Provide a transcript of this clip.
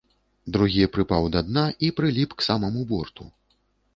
Другі прыпаў да дна і прыліп к самаму борту.